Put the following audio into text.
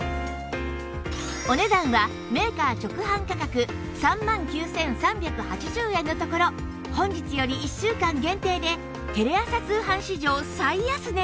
お値段はメーカー直販価格３万９３８０円のところ本日より１週間限定でテレ朝通販史上最安値！